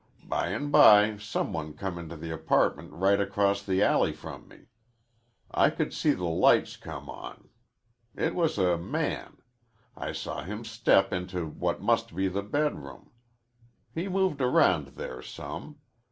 By an' by some one come into the apartment right acrost the alley from me. I could see the lights come on. It was a man. I saw him step into what must be the bedroom. He moved around there some.